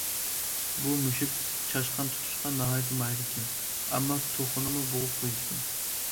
بۇ مۈشۈك چاشقان تۇتۇشقا ناھايىتى ماھىر ئىكەن، ئەمما توخۇنىمۇ بوغۇپ قويىدىكەن.